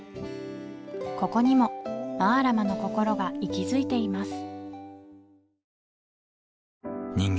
ここにもマラマのこころが息づいています